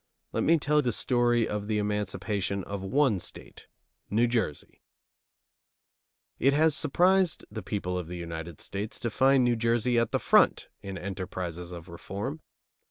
Let me tell the story of the emancipation of one State, New Jersey: It has surprised the people of the United States to find New Jersey at the front in enterprises of reform.